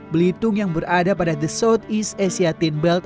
belitung yang berada pada the south east asia tin belt